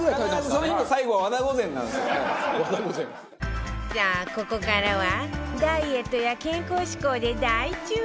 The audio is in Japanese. さあここからはダイエットや健康志向で大注目